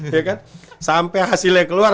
ya kan sampai hasilnya keluar